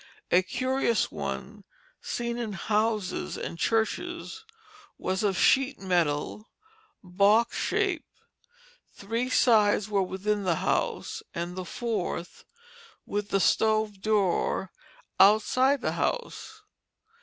A curious one, seen in houses and churches, was of sheet metal, box shaped; three sides were within the house, and the fourth, with the stove door, outside the house.